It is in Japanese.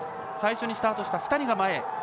最初にスタートした２人が前。